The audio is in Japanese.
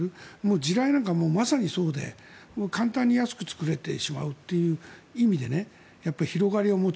地雷なんかまさにそうで簡単に安く作れてしまうという意味で広がりを持つ。